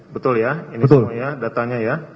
betul ya ini semuanya datanya ya